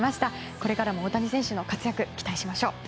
これからも大谷選手の活躍期待しましょう。